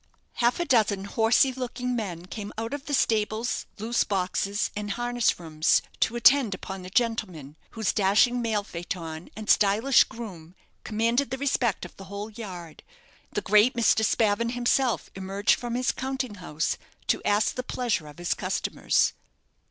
Half a dozen horsey looking men came out of stables, loose boxes, and harness rooms to attend upon the gentlemen, whose dashing mail phaeton and stylish groom commanded the respect of the whole yard. The great Mr. Spavin himself emerged from his counting house to ask the pleasure of his customers.